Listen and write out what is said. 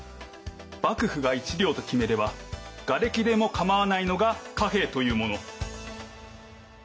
幕府が「１両」と決めれば瓦礫でも構わないのが貨幣というもの。